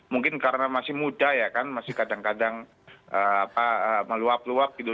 mungkin karena masih muda ya kan masih kadang kadang meluap luap gitu